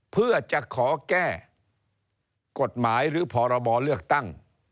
เพื่อจะขอแก้กฎหมายหรือพรบเลือกตั้ง